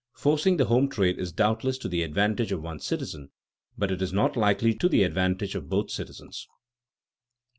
Forcing the home trade is doubtless to the advantage of one citizen, but it is not likely to be to the advantage of both citizens.